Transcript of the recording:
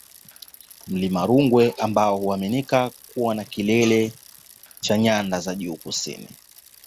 Mlima Rungwe ambao huaminika kuwa kilele cha Nyanda za Juu Kusini